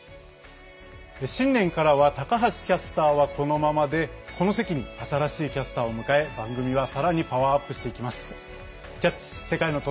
新年からは高橋キャスターはこのままでこの席に新しいキャスターを迎え番組はさらにパワーアップしていきます。